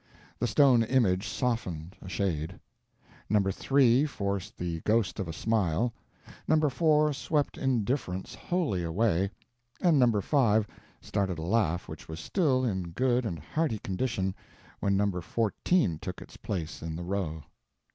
The stone image softened, a shade. No. 3 forced the ghost of a smile, No. 4 swept indifference wholly away, and No. 5 started a laugh which was still in good and hearty condition when No. 14 took its place in the row.